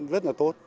rất là tốt